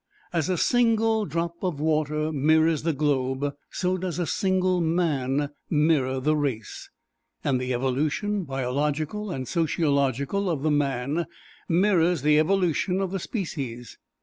As a single drop of water mirrors the globe, so does a single man mirror the race. And the evolution, biological and sociological, of the man mirrors the evolution of the species.